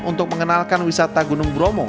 untuk mengenalkan wisata gunung bromo